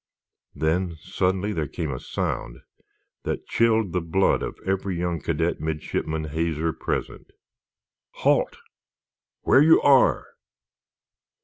Then, suddenly, there came a sound that chilled the blood of every young cadet midshipman hazer present. "Halt! Where you are!"